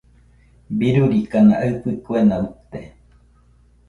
Birurikana aɨfo kuena uite.